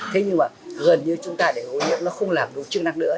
thế nhưng mà gần như chúng ta để ô nhiễm nó không làm đủ chức năng nữa